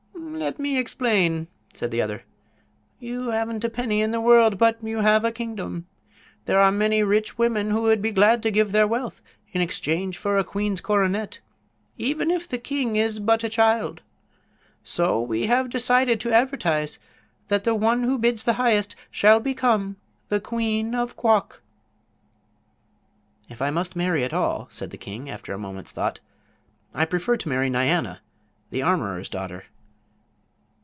"Let me explain," said the other. "You haven't a penny in the world, but you have a kingdom. There are many rich women who would be glad to give their wealth in exchange for a queen's coronet—even if the king is but a child. So we have decided to advertise that the one who bids the highest shall become the queen of Quok." "If I must marry at all," said the king, after a moment's thought, "I prefer to marry Nyana, the armorer's daughter."